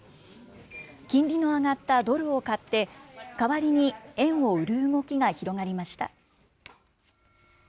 金利の上がったドルを買って、代わりに円を売る動きが広がりました。